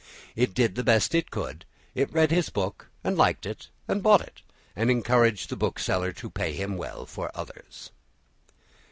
It did the best it could; it read his book and liked it and bought it, and encouraged the bookseller to pay him well for others.